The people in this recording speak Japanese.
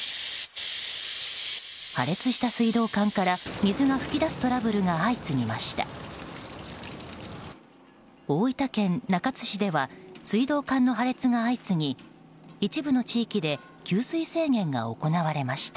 破裂した水道管から水が噴き出すトラブルが相次ぎました。